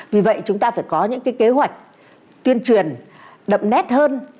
vì vậy chúng ta phải có những kế hoạch tuyên truyền đậm nét hơn